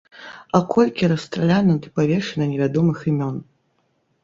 А колькі расстраляна ды павешана невядомых імён?!